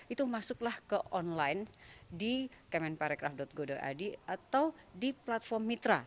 itu masuklah ke online di kemenparekraf go id atau di platform mitra